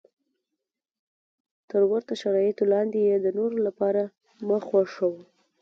تر ورته شرایطو لاندې یې د نورو لپاره مه خوښوه.